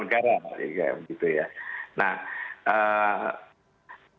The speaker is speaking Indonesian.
berpotensi melibatkan aktor aktor kekuasaan non negara